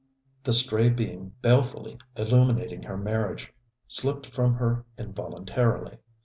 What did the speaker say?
The stray beam balefully illuminating her marriage slipped from her involuntarily.